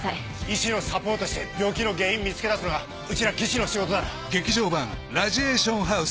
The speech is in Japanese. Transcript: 「医師をサポートして病気の原因見つけ出すのがうちら技師の仕事だろ」